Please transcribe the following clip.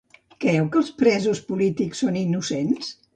Creu que els presos polítics són innocents?